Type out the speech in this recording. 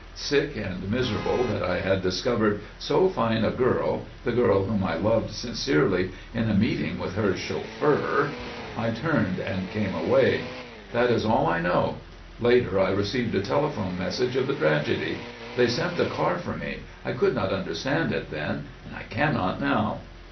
Sick and miserable that I had discovered so fine a girl, the girl whom I loved sincerely, in a meeting with her chauffeur, I turned and came away. That is all I know. Later I received a telephone message of the tragedy. They sent the car for me. I could not understand it then; I cannot now."